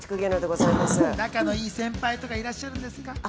仲の良い先輩とかいらっしゃるんですか？